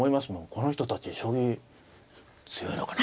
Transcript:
この人たち将棋強いのかな？